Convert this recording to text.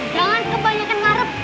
jangan kebanyakan ngarep